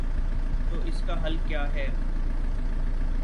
تو اس کا حل کیا ہے؟